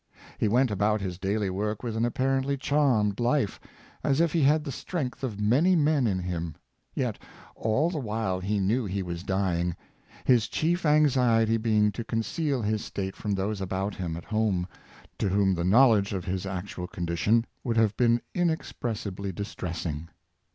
He went about his daily work with an apparently charmed life, as if he had the strength of many men in him. Yet all the while he knew he was dying, his chief anxiety being to conceal his state from those about him at home, to whom the knowledge of his actual condition would have been in expressibly distressing.